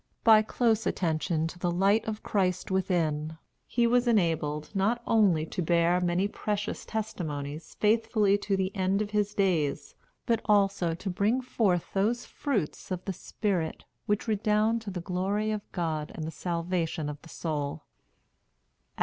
By close attention to the light of Christ within, he was enabled, not only to bear many precious testimonies faithfully to the end of his days, but also to bring forth those fruits of the spirit which redound to the glory of God and the salvation of the soul.